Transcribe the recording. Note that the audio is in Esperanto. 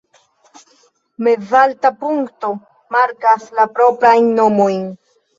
Mezalta punkto markas la proprajn nomojn.